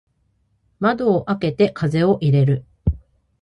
窓を開けて風を入れる。